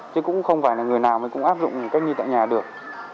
chứ cũng không phải là người nào mới cũng áp dụng cách ly tại nhà được